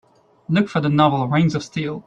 Look for the novel Rings of Steel